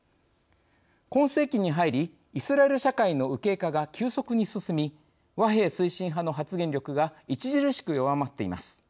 今世紀に入りイスラエル社会の右傾化が急速に進み和平推進派の発言力が著しく弱まっています。